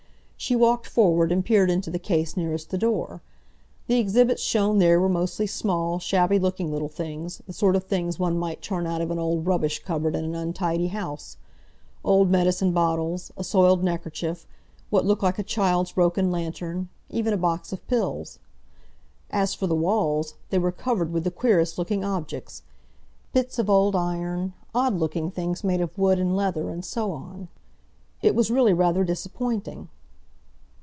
She walked forward and peered into the case nearest the door. The exhibits shown there were mostly small, shabby looking little things, the sort of things one might turn out of an old rubbish cupboard in an untidy house—old medicine bottles, a soiled neckerchief, what looked like a child's broken lantern, even a box of pills. .. As for the walls, they were covered with the queerest looking objects; bits of old iron, odd looking things made of wood and leather, and so on. It was really rather disappointing.